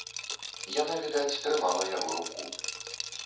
Яна, відаць, трымала яго руку.